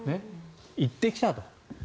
行ってきたと。